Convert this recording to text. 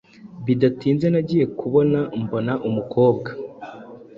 Bidatinze nagiye kubona mbona umukobwa